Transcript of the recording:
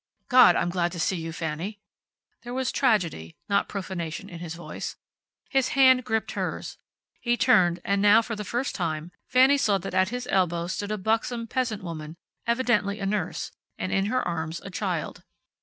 "God! I'm glad to see you, Fanny." There was tragedy, not profanation in his voice. His hand gripped hers. He turned, and now, for the first time, Fanny saw that at his elbow stood a buxom, peasant woman, evidently a nurse, and in her arms a child.